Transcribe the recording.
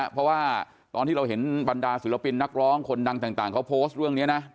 เพราะว่าตอนที่เราเห็นบรรดาศิลปินนักร้องคนดังต่างเขาโพสต์เรื่องนี้นะ